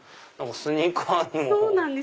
スニーカーにも。